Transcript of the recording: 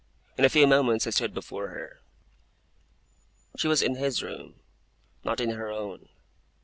In a few moments I stood before her. She was in his room; not in her own.